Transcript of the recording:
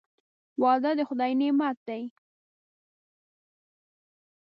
• واده د خدای نعمت دی.